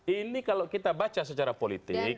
ini kalau kita baca secara politik